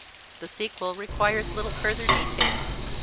The sequel requires little further detail.